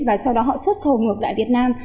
và sau đó họ xuất khẩu ngược lại việt nam